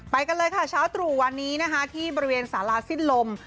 ไปกันเลยค่ะเช้าตรู่วันนี้นะคะที่บริเวณสาราสิ้นลม